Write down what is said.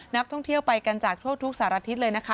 นักท่องเที่ยวไปกันจากทั่วทุกสารทิศเลยนะคะ